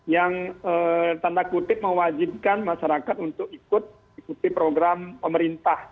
yang tanda kutip mewajibkan masyarakat untuk ikuti program pemerintah